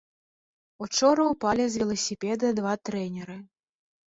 Учора упалі з веласіпеда два трэнеры.